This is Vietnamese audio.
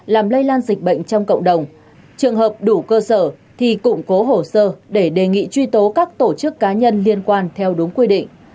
làm lây lan dịch bệnh trong cộng đồng trường hợp đủ cơ sở thì cụm cố hồ sơ để đề nghị truy tố các tổ chức cá nhân liên quan theo đúng quy định